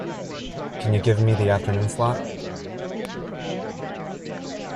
Can you give me the afternoon slot?